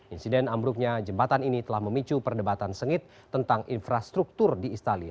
insiden ambruknya jembatan ini telah memicu perdebatan sengit tentang infrastruktur di italia